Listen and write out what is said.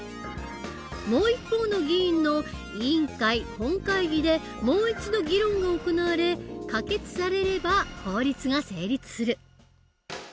もう一方の議員の委員会本会議でもう一度議論が行われ可決されれば法律が成立する。